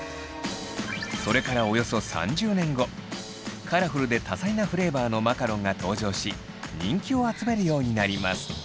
それからおよそ３０年後カラフルで多彩なフレーバーのマカロンが登場し人気を集めるようになります。